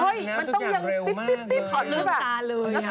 มันต้องยังปิ๊บขอดลูกล่ะ